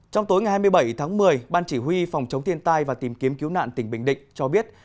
trong tối ngày hai mươi bảy tháng một mươi ban chỉ huy phòng chống thiên tai và tìm kiếm cứu nạn tỉnh bình định cho biết